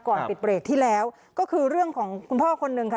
ก่อนปิดเบรกที่แล้วก็คือเรื่องของคุณพ่อคนนึงค่ะ